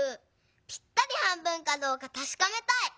ぴったり半分かどうかたしかめたい！